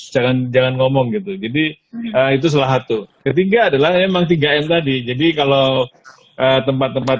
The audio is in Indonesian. jangan jangan ngomong gitu jadi itu salah satu ketiga adalah emang tiga m tadi jadi kalau tempat tempat